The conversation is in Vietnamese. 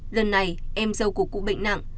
lần này em dâu của cụ bệnh nặng